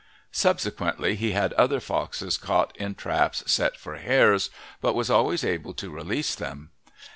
Subsequently he had other foxes caught in traps set for hares, but was always able to release them.